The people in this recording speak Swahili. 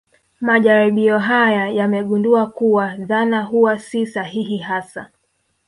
Majaribio haya yamegundua kuwa dhana huwa si sahihi hasa